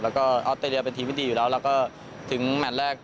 แล้วก็ออสเตรเลียเป็นทีมที่ดีอยู่แล้วแล้วก็ถึงแมทแรก